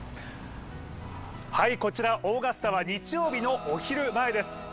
はい、こちらオーガスタは日曜日のお昼前です。